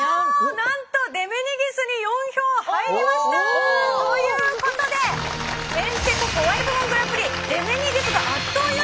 なんとデメニギスに４票入りました！ということでへんてこコワい部門グランプリデメニギスが圧倒優勝です！